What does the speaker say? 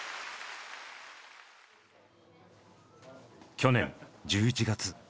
去年１１月。